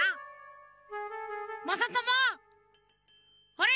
あれ？